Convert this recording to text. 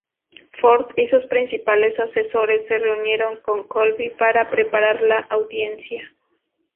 Ford y sus principales asesores se reunieron con Colby para preparar la audiencia.